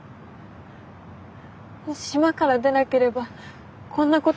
島から出なければこんなことには。